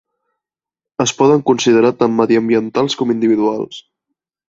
Es poden considerar tan mediambientals com individuals.